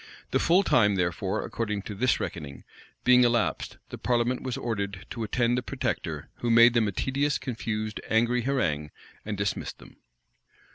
The full time, therefore, according to this reckoning, being elapsed, the parliament was ordered to attend the protector, who made them a tedious, confused, angry harangue, and dismissed them.